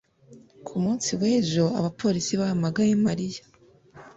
Ku munsi wejo abapolisi bahamagaye Mariya